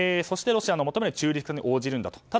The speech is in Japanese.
そして、ロシアの求める中立化に応じるんだと。